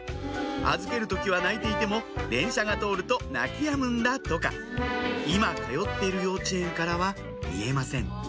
預ける時は泣いていても電車が通ると泣きやむんだとか今通っている幼稚園からは見えません